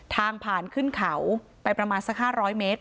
ทางผ่านขึ้นเขาไปประมาณสัก๕๐๐เมตร